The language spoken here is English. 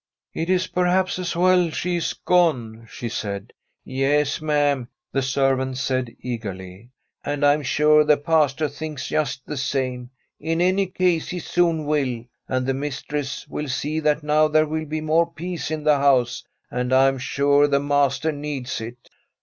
' It is perhaps as well she is gone,' she said. ' Yes, ma'am,' the servant said eagerly ;* and I am sure the Pastor thinks just the same. In any case he soon will. And the mistress will see that now there will be more peace in the house, and I am sure the master needs it.'